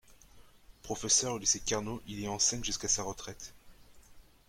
Professeur au lycée Carnot, il y enseigne jusqu'à sa retraite.